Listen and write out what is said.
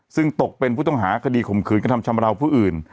ซึ่งตกเป็นผู้ต้องหาคดีข่มขืนกระทำชำราวผู้อื่น